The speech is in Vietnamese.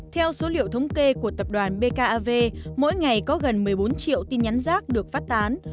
theo số liệu thống kê của tập đoàn bkav mỗi ngày có gần một mươi bốn triệu tin nhắn rác được phát tán